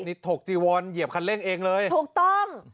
นี่ถกจีวอนเหยียบคันเร่งเองเลยถูกต้อง